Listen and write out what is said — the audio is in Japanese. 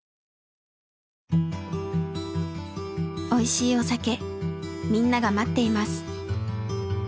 「おいしいお酒みんなが待っています」。